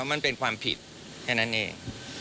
มันเป็นความผิดแค่นั้นเอง